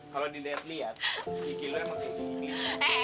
kalau dilihat lihat kiki lu emang kaya gini